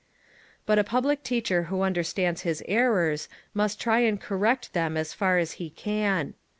But a public teacher who understands his errors must try and correct them as far as he can.